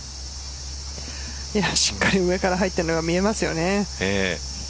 しっかり上から入っているのが見えますよね。